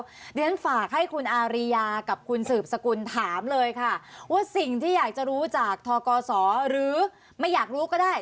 เพราะฉะนั้นฝากให้คุณอาริยากับคุณสืบสกุลถามเลยค่ะว่าสิ่งที่อยากจะรู้จากทกศหรือไม่อยากรู้ก็ได้